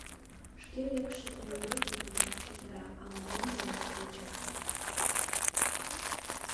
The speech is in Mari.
Шке лекше толмеке, тугак чытыра, ала-мом ойлаш тӧча.